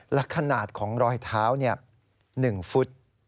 และขนาดของรอยเท้า๑ฟุต